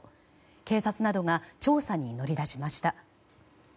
警察などが調査に乗り出しました。